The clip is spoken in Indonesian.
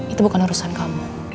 itu bukan urusan kamu